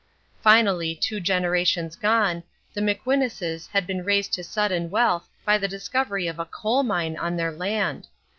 Finally, two generations gone, the McWhinuses had been raised to sudden wealth by the discovery of a coal mine on their land.